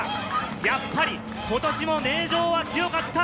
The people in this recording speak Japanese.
やっぱり今年も名城は強かった！